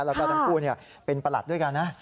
แล้วก็ทั้งคู่เป็นประหลัดด้วยกันนะ